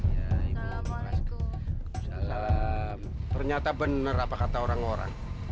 dia udah jadi enak bercanda